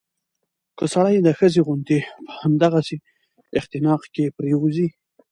که سړى د ښځې غوندې په همدغسې اختناق کې پرېوځي